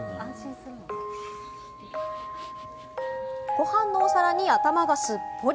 ご飯のお皿に頭がすっぽり。